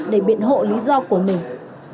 để biện hộ lý do của mình